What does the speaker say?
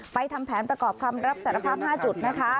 ทำแผนประกอบคำรับสารภาพ๕จุดนะคะ